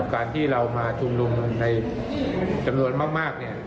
การที่เรามาชุมนุมในจำนวนมากเนี่ย